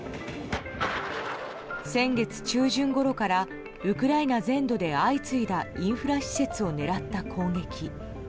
先月中旬ごろからウクライナ全土で相次いだインフラ施設を狙った攻撃。